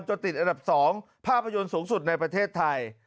ติดอันดับ๒ภาพยนตร์สูงสุดในประเทศไทย